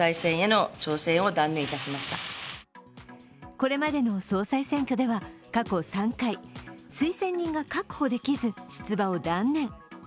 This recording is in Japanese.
これまでの総裁選挙では過去３回推薦人が確保できず、出馬を断念。